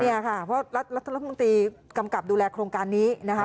เนี่ยค่ะเพราะรัฐมนตรีกำกับดูแลโครงการนี้นะคะ